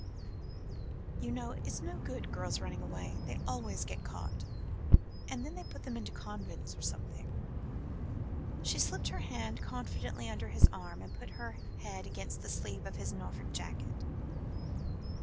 "You know, it's no good girls running away; they always get caught, and then they put them into convents or something." She slipped her hand confidingly under his arm, and put her head against the sleeve of his Norfolk jacket.